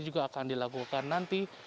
juga akan dilakukan nanti